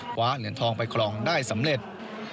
คว้าเหรียญทองไปครองได้สำเร็จ